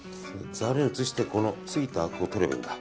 ざるに移してついたあくを取ればいいんだ。